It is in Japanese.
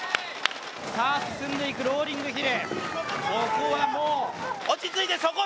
進んでいくローリングヒル。